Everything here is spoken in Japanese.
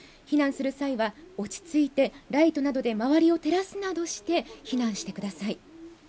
避難する際は、落ち着いてライトなどで周りを照らすなどして避難してください。